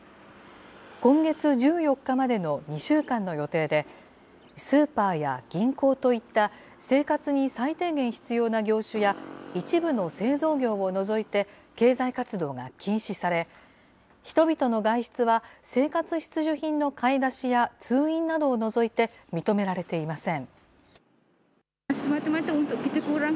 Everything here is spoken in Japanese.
今月１４日までの２週間の予定で、スーパーや銀行といった、生活に最低限必要な業種や一部の製造業を除いて、経済活動が禁止され、人々の外出は、生活必需品の買い出しや通院などを除いて認められていません。